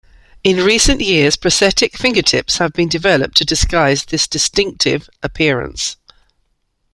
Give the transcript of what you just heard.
In recent years, prosthetic fingertips have been developed to disguise this distinctive appearance.